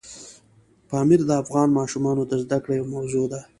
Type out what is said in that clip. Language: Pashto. پامیر د افغان ماشومانو د زده کړې یوه موضوع ده.